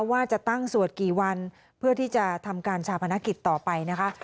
ว่าจะตั้งสวดกี่วันเพื่อที่จะทำการชาพนักกิจต่อไปนะคะ